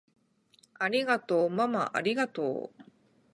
ありがとうままありがとう！